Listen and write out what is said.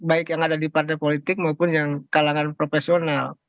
baik yang ada di partai politik maupun yang kalangan profesional